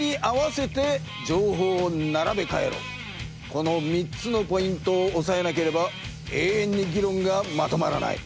この３つのポイントをおさえなければえいえんにぎろんがまとまらない。